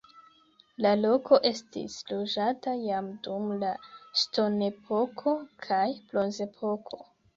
La loko estis loĝata jam dum la ŝtonepoko kaj bronzepoko.